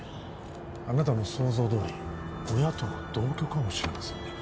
あなたの想像どおり親との同居かもしれませんね